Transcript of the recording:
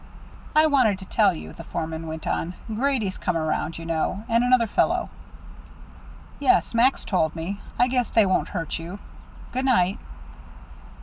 "I wanted to tell you," the foreman went on; "Grady's come around, you know and another fellow " "Yes, Max told me. I guess they won't hurt you. Good night."